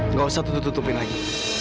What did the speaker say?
nggak usah tutup tutupin lagi